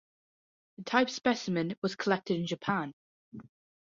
The type specimen was collected in Japan.